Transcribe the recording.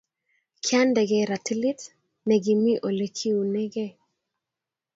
Kiandekei ratilit ne kimi Ole kiunegei